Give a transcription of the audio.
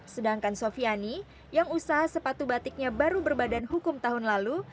sedangkan sofiani yang usaha sepatu batiknya baru berbadan hukum tahun lalu